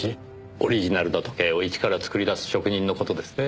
オリジナルの時計を一から作り出す職人の事ですねえ。